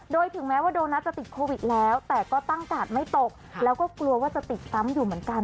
โดยถึงแม้ว่าโดนัทจะติดโควิดแล้วแต่ก็ตั้งกาดไม่ตกแล้วก็กลัวว่าจะติดซ้ำอยู่เหมือนกัน